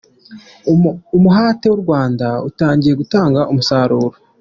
Umuhate w’u Rwanda utangiye gutanga umusaruro.